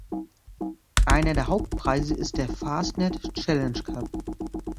Einer der Hauptpreise ist der "Fastnet Challenge Cup".